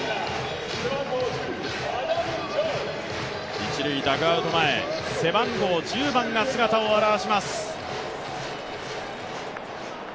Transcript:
一塁ダグアウト前、背番号１０番が姿を現します。